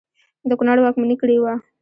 د کنړ واکمني کړې وه.